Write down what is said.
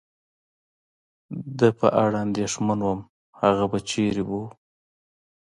د په اړه اندېښمن ووم، هغه به چېرې و؟